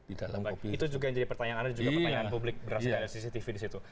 itu juga pertanyaan anda dan pertanyaan publik berasal dari cctv disitu